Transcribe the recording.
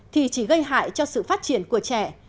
thì chỉ gây hại cho sự phát triển của trẻ